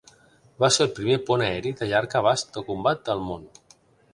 Va ser el primer pont aeri de llarg abast de combat del món.